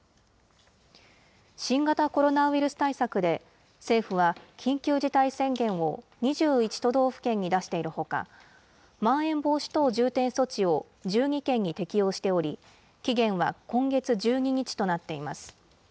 新型コロナウイルス対策で、政府は緊急事態宣言を２１都道府県に出しているほか、まん延防止等重点措置を１２県に適用しており、期限は今月１２日となっています。